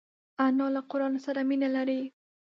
انا له قران سره مینه لري